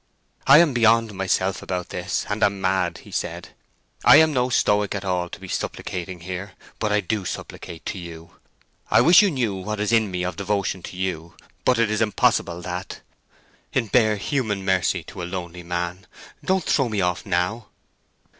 "I am beyond myself about this, and am mad," he said. "I am no stoic at all to be supplicating here; but I do supplicate to you. I wish you knew what is in me of devotion to you; but it is impossible, that. In bare human mercy to a lonely man, don't throw me off now!"